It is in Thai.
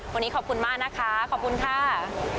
วันนี้ขอบคุณมากนะคะขอบคุณค่ะ